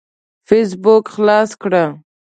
فيسبوک خلاص کړه.